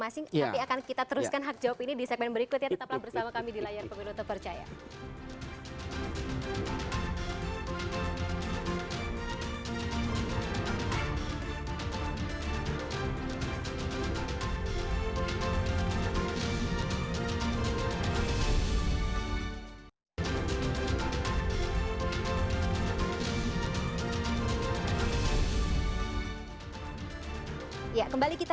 kita akan teruskan kembali ya